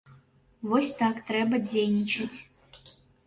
Вось так трэба дзейнічаць.